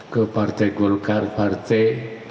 ke partai gorkar partai